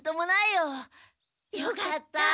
よかった。